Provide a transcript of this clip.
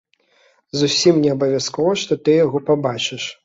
Зусім неабавязкова, што ты яго пабачыш.